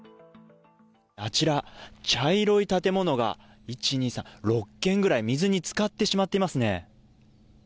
あちら、茶色い建物が１、２、３、６軒ぐらい、水につかってしまっていますね。